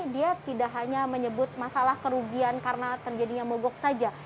dia tidak hanya menyebut masalah kerugian karena terjadinya mogok saja